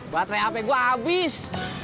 baterai hp gua abis